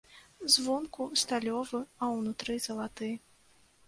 Звонку сталёвы, а ўнутры залаты.